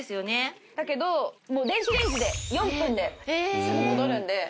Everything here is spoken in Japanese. だけどもう電子レンジで４分ですぐ戻るので。